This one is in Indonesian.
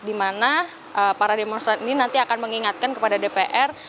di mana para demonstran ini nanti akan mengingatkan kepada dpr